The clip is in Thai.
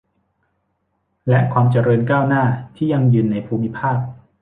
และความเจริญก้าวหน้าที่ยั่งยืนในภูมิภาค